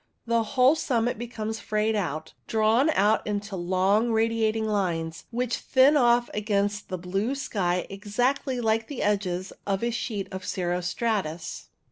The whole summit becomes frayed out, drawn out into long radiating lines, which thin off against the blue sky exactly like the edges of a sheet of cirro stratus.